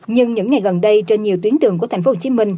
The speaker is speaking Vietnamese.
nhưng những ngày gần đây trên nhiều tuyến đường của tp hcm